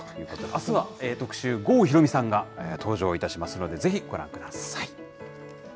あすは特集、郷ひろみさんが登場いたしますので、ぜひご覧ください。